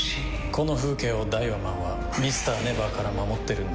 この風景をダイワマンはＭｒ．ＮＥＶＥＲから守ってるんだ。